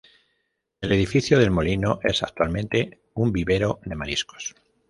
El edificio del molino es actualmente un vivero de mariscos.